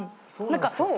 そう？